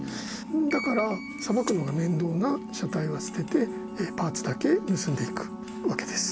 だからさばくのが面倒な車体は捨ててパーツだけ盗んでいくわけです。